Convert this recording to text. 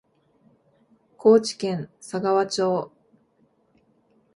高知県佐川町